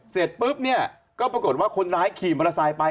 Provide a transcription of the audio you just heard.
เสร็จปุ๊บเนี่ยก็ปรากฏว่าคนร้ายขี่มอเตอร์ไซค์ไป